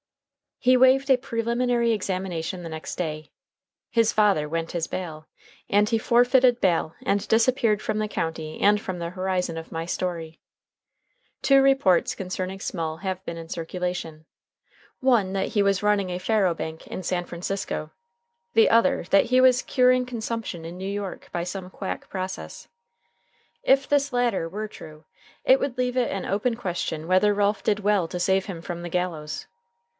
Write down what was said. He waived a preliminary examination the next day; his father went his bail, and he forfeited bail and disappeared from the county and from the horizon of my story. Two reports concerning Small have been in circulation one that he was running a faro bank in San Francisco, the other that he was curing consumption in New York by some quack process. If this latter were true, it would leave it an open question whether Ralph did well to save him from the gallows.